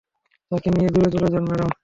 তাকে নিয়ে দূরে চলে যান, ম্যাডাম।